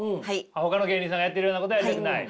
ほかの芸人さんがやってるようなことはやりたくない？